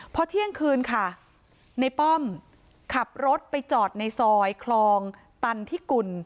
พอเที่ยงคืนค่ะในป้อมขับรถไปจอดในซอยคลองตันทิกุล